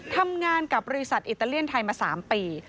ทำงานกับบริษัทอิตาเลียนไทยมา๓ปี